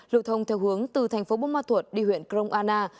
lưu thông theo hướng từ thành phố bông ma thuột đi huyện krong anna